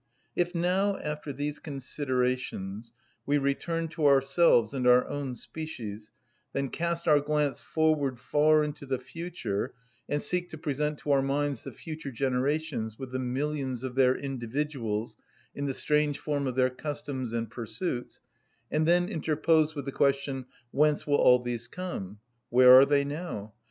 If now, after these considerations, we return to ourselves and our own species, then cast our glance forward far into the future, and seek to present to our minds the future generations, with the millions of their individuals in the strange form of their customs and pursuits, and then interpose with the question: Whence will all these come? Where are they now?